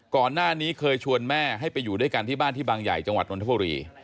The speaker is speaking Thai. ก่อนหน้านี้เคยชวนแม่ให้ไปอยู่ด้วยกันที่บ้านที่บางใหญ่จังหวัดนทบุรี